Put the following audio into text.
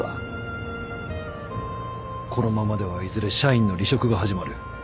このままではいずれ社員の離職が始まる。